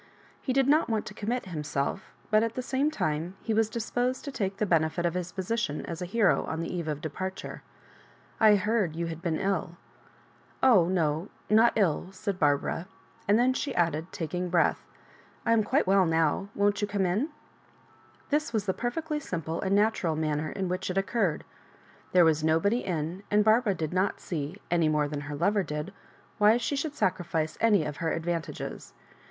He did not want to commit himself but at the same time he was disposed to take the benefit of his position as a hero on the eve of departure. " I heard you had been ilL" ^ Oh, no, — ^not ill," said Barbara; and then she ' added, taldng breath, "I am quite well, now. Won't you come in ?" This was the perfectly simple and natural manner in which it occurred. There was no body in, and Barbara did not see, an^ more than her lover did, why she should sacrifice any of her advantages.